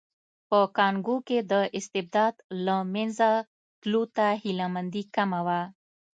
په کانګو کې د استبداد له منځه تلو ته هیله مندي کمه وه.